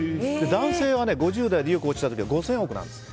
男性は５０代で意欲が落ちた時は５０億なんです。